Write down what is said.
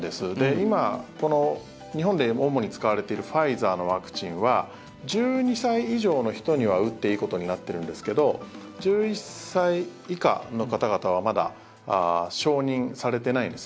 今、日本で主に使われているファイザーのワクチンは１２歳以上の人には打っていいことになっているんですけど１１歳以下の方々はまだ承認されていないんです。